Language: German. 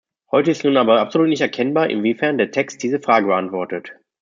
Heute ist nun aber absolut nicht erkennbar, inwiefern der Text diese Frage beantwortet.